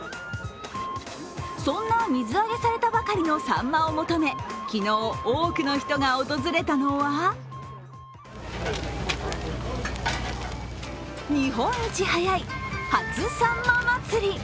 そんな水揚げされたばかりのさんまを求め、昨日、多くの人が訪れたのは日本一早い初さんま祭。